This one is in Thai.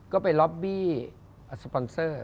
ก็ไปล็อบบี้อัสปอนเซอร์